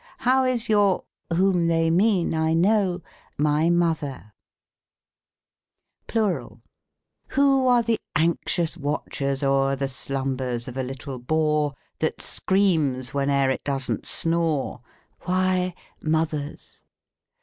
How is your ?— whom they mean I know. My mother ! PLURAL. Who are the anxious watchers o'er The slumbers of a little bore, 88i THE COMIC ENGLISH GRAMMAR. That screams whene'er it doesn't snore ? Why, mothers